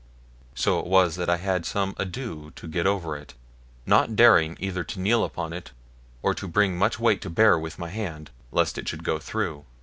So it was that I had some ado to get over it, not daring either to kneel upon it or to bring much weight to bear with my hand, lest it should go through.